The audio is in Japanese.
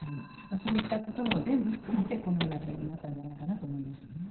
そういったことも全部含めてこのような対応になったんじゃないかと思いましたね。